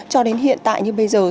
cho đến hiện tại như bây giờ